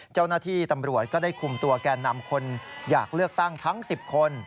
เจ้าหน้าที่ตำรวจก็ได้คุมตัวแก่นำคนอยากเลือกตั้งทั้ง๑๐คน